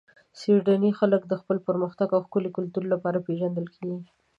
سویدني خلک د خپل پرمختګ او ښکلي کلتور لپاره پېژندل کیږي.